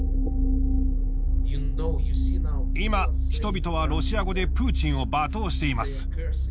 今人々はロシア語でプーチンを罵倒しています。